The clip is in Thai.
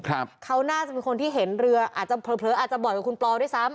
เขาน่าจะเป็นคนที่เห็นเรืออาจจะเผลออาจจะบ่อยกว่าคุณปอด้วยซ้ำ